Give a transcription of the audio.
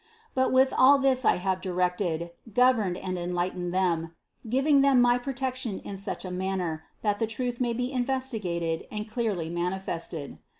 But with all this I have directed, governed and enlightened them, giving them my protec tion in such a manner, that the truth may be investigated and clearly manifested.